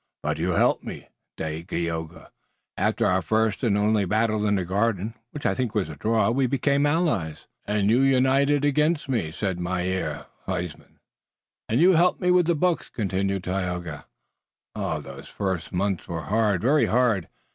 "But you helped me, Dagaeoga. After our first and only battle in the garden, which I think was a draw, we became allies." "Und you united against me," said Mynheer Huysman. "And you helped me with the books," continued Tayoga. "Ah, those first months were hard, very hard!"